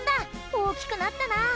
大きくなったなぁ。